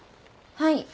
はい。